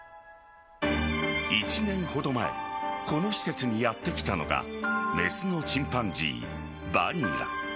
１年ほど前この施設にやってきたのがメスのチンパンジー・バニラ。